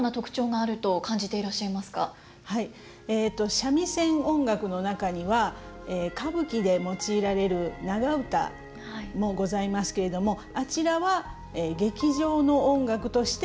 三味線音楽の中には歌舞伎で用いられる長唄もございますけれどもあちらは劇場の音楽として発展したものでございます。